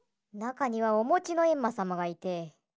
なかにはおもちのえんまさまがいて。